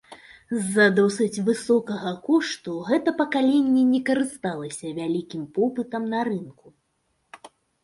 З-за досыць высокага кошту гэта пакаленне не карысталася вялікім попытам на рынку.